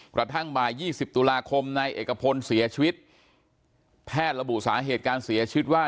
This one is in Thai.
กระทั่งบ่าย๒๐ตุลาคมนายเอกพลเสียชีวิตแพทย์ระบุสาเหตุการเสียชีวิตว่า